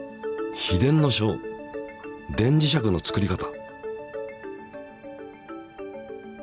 「秘伝の書電磁石の作り方」！